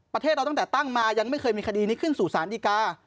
ประเทศเราตั้งแต่ตั้งมายังไม่เคยมีคดีนี้ขึ้นสู่สารดีกา